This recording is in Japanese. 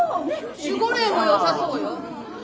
守護霊もよさそうよ。